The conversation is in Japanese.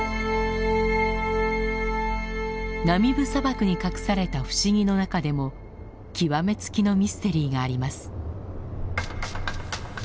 ナミブ砂漠に隠された不思議の中でも極め付きのミステリーがあります。